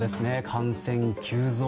感染急増。